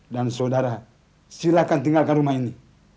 dan saudara silahkan tinggalkan rumah ini